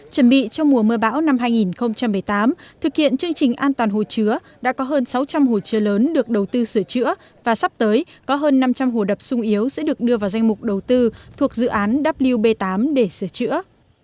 chuẩn bị cho mùa mưa bão năm hai nghìn một mươi tám thực hiện chương trình an toàn hồ chứa đã có hơn sáu trăm linh hồ chứa lớn được đầu tư sửa chữa và sắp tới có hơn năm trăm linh hồ đập sung yếu sẽ được đưa vào danh mục đầu tư thuộc dự án w b tám để sửa chữa